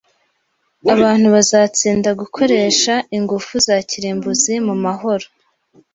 Abantu bazatsinda gukoresha ingufu za kirimbuzi mumahoro.